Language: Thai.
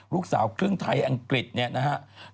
ลูกสาวเครื่องไทยอังกฤษนะครับ